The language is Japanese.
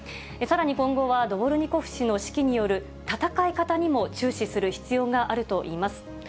さらに今後はドボルニコフ氏の指揮による戦い方にも注視する必要があるといいます。